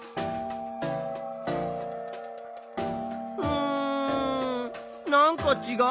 うんなんかちがう？